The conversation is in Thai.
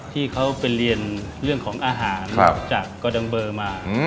ที่เขาไปเรียนเรื่องของอาหารจากกระดังเบอร์มา